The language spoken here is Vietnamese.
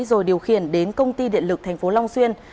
rồi điều khiển đến công ty điện lực tp long xuyên